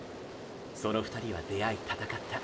その２人は出会い闘った。